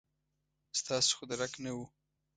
ستاسو خو درک نه و.